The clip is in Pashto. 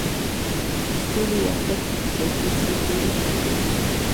د سولې يو ټکی د جګړې سل تورې ماتوي